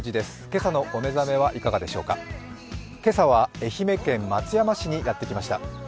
今朝は愛媛県松山市にやってきました。